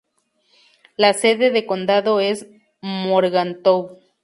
La sede de condado es Morgantown.